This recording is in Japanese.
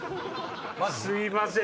すいません